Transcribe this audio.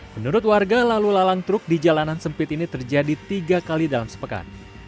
menurut warga lalu lalang truk di jalanan sempit ini terjadi tiga kali dalam sepekan